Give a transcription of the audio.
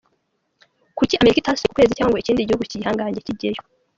Kuki Amerika itasubiye ku kwezi cyangwa ngo ikindi gihugu cy’igihangange kijyeyo.